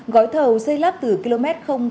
gói thầu xây lắp từ km